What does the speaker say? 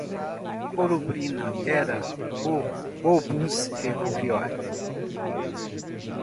Colubrina era o obus ferroviário